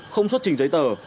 không xuất trình giấy tờ